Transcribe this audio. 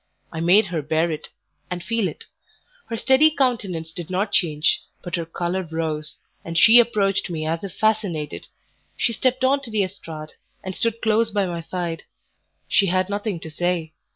I made her bear it, and feel it; her steady countenance did not change, but her colour rose, and she approached me as if fascinated. She stepped on to the estrade, and stood close by my side; she had nothing to say.